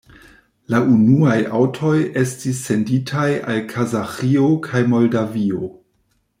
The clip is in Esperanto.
La unuaj aŭtoj estis senditaj al Kazaĥio kaj Moldavio.